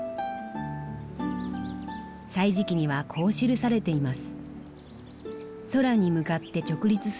「歳時記」にはこう記されています。